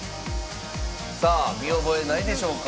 さあ見覚えないでしょうか？